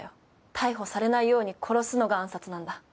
逮捕されないように殺すのが暗殺なんだ。